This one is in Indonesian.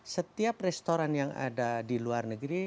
setiap restoran yang ada di luar negeri